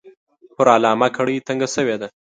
پر علامه کړۍ تنګه شوې ده.